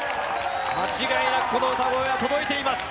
間違いなくこの歌声は届いています。